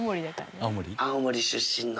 青森出身の。